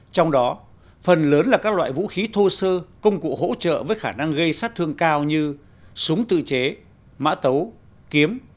trong đó phần lớn là các loại vũ khí thô sơ công cụ hỗ trợ với khả năng gây sát thương cao như súng tự chế mã tấu kiếm